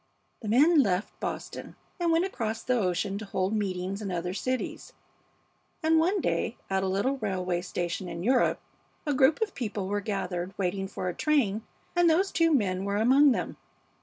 "The men left Boston and went across the ocean to hold meetings in other cities, and one day at a little railway station in Europe a group of people were gathered, waiting for a train, and those two men were among them.